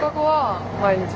はい。